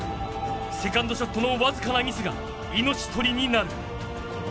セカンドショットのわずかなミスが命取りになる。